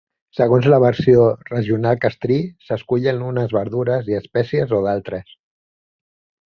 Segons la versió regional que es triï, s'escullen unes verdures i espècies o d'altres.